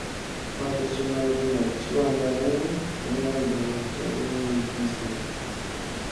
Faɗta ci mayɗi naɗ ci wanɗa ni, min a ɗi hu caaɗ u wi ki su ?